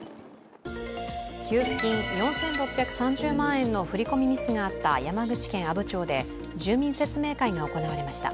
給付金４６３０万円の振込ミスがあった山口県阿武町で住民説明会が行われました。